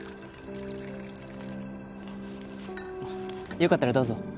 よかったらどうぞ。